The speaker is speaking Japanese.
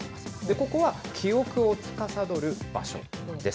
ここは記憶をつかさどる場所です。